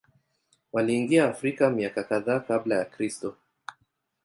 Waliingia Afrika miaka kadhaa Kabla ya Kristo.